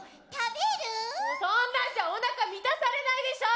そんなんじゃおなか満たされないでしょう。